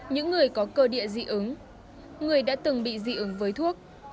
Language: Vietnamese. những người có cơ địa dị ứng người đã từng bị dị ứng với thuốc